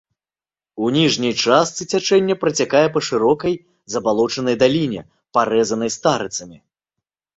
У ніжняй частцы цячэння працякае па шырокай забалочанай даліне, парэзанай старыцамі.